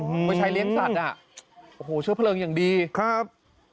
อือฮือไม่ใช่เลี้ยงสัตว์โอ้โหเชื่อเพลิงอย่างดีครับ